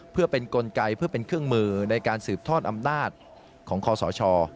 เพื่อเป็นกลไกเพื่อเป็นเครื่องมือในการสืบทอดอำนาจของคอสช